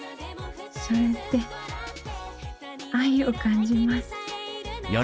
それって愛を感じます。